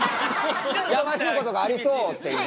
やましいことがありそうっていうね。